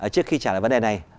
trước khi trả lời vấn đề này